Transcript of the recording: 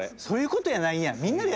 そういうことやないやん。